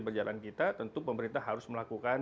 berjalan kita tentu pemerintah harus melakukan